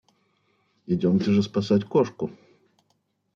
Идемте же спасать кошку!